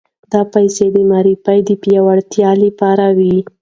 دا پيسې د معارف د پياوړتيا لپاره وې.